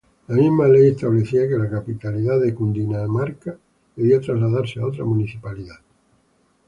La misma ley establecía que la capitalidad de Cundinamarca debía trasladarse a otra municipalidad.